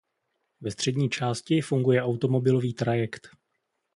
Ve střední části funguje automobilový trajekt.